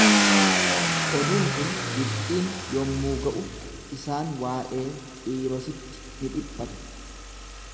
Oduun kun Gibxiin yommuu ga'u, isaan waa'ee Xiirositti ni dhiphatu.